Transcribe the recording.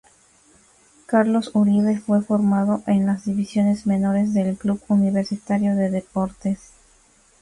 Carlos Uribe fue formado en las divisiones menores del Club Universitario de Deportes.